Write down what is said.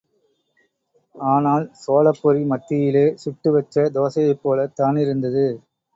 ஆனால் சோளப்பொறி மத்தியிலே சுட்டு வச்ச தோசையைப் போலத் தானிருந்தது.